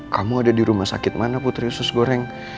kamu ada di rumah sakit mana putri khusus goreng